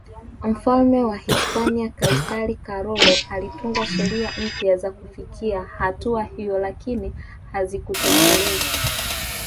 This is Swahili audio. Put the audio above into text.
Mfalme wa Hispania Kaisari Karolo alitunga sheria mpya za kufikia hatua hiyo lakini hazikutekelezwa